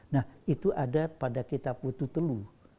nah itu ada pada kitab wetutelu